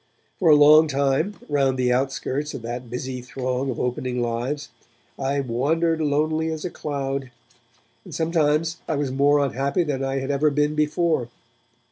For a long time, round the outskirts of that busy throng of opening lives, I 'wandered lonely as a cloud', and sometimes I was more unhappy than I had ever been before.